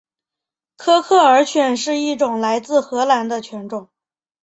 科克尔犬是一种来自荷兰的犬种。